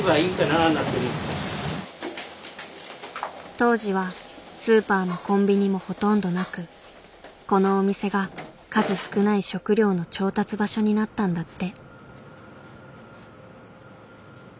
当時はスーパーもコンビニもほとんどなくこのお店が数少ない食料の調達場所になったんだって。